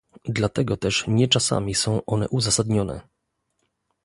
Dlatego też nie czasami są one uzasadnione